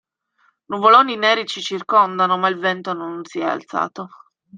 Nuvoloni neri ci circondano, ma il vento non si è alzato.